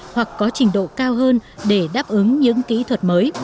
hoặc có trình độ cao hơn để đáp ứng những kỹ thuật mới